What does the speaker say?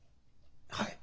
はい。